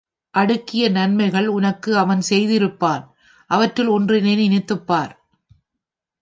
அடுக்கிய நன்மைகள் உனக்கு அவன் செய்திருப்பான் அவற்றுள் ஒன்றினை நினைத்துப்பார்.